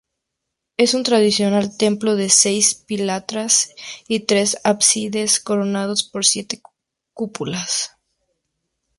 Es un tradicional templo de seis pilastras y tres ábsides coronados por siete cúpulas.